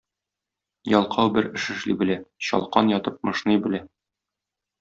Ялкау бер эш эшли белә — чалкан ятып мышный белә.